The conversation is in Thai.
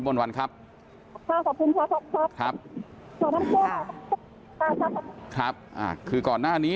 บรรวัลครับค่ะขอบคุณครับครับครับค่ะครับอ่าคือก่อนหน้านี้